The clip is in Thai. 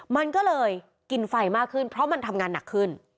มันก็เลยกินไฟมากขึ้นเพราะมันทำงานหนักขึ้น